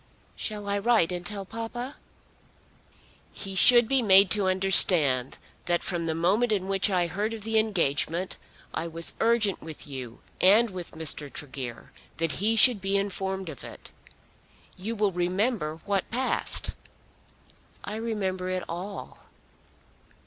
"Shall I write and tell papa?" "He should be made to understand that from the moment in which I heard of the engagement I was urgent with you and with Mr. Tregear that he should be informed of it. You will remember what passed." "I remember it all."